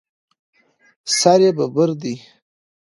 سر یې ببر دی.